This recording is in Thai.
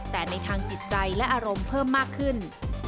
แต่ในทางจิตใจและอารมณ์เพิ่มมากขึ้น